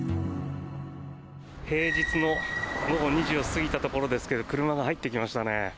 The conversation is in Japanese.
平日の午後２時を過ぎたところですけれど車が入ってきましたね。